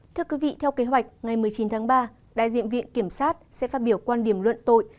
thưa quý vị theo kế hoạch ngày một mươi chín tháng ba đại diện viện kiểm sát sẽ phát biểu quan điểm luận tội